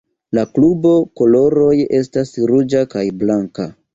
La klubo koloroj estas ruĝa kaj blanka.